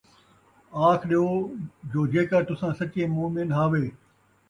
آکھ ݙیو جو جیکر تُساں سچّے مومن ہاوے